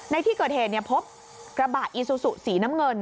ในที่เกิดเหตุพบกระบะอีซูซูสีน้ำเงิน